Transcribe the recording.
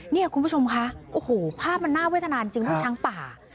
นี่คุณผู้ชมคะโอ้โหภาพมันน่าเวทนาจริงลูกช้างป่า